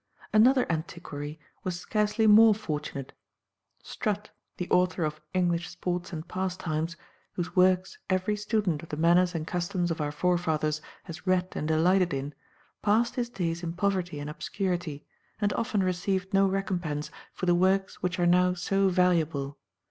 Another antiquary was scarcely more fortunate. Strutt, the author of English Sports and Pastimes, whose works every student of the manners and customs of our forefathers has read and delighted in, passed his days in poverty and obscurity, and often received no recompense for the works which are now so valuable.